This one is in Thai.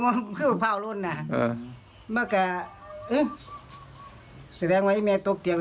ผมมาขึ้นไปพาวลุ้นน่ะเออมันก็เอ๊ะแสดงว่าไอ้แม่ตุ๊บเตียง